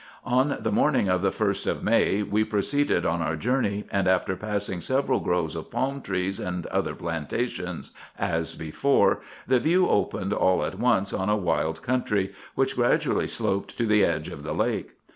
On the morning of the 1st of May, we proceeded on our jour ney, and, after passing several groves of palm trees and other plant ations as before, the view opened all at once on a wild country, which gradually sloped to the edge of the lake.